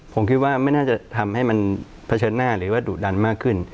ผมคิดว่าไม่น่าจะทำให้มันเผชิญหน้าหรือว่าดุดันมากขึ้น